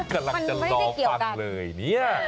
กลักษณะร้องฟังเลยเนี่ย